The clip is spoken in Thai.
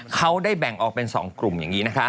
เขาได้แบ่งออกเป็น๒กลุ่มอย่างนี้นะคะ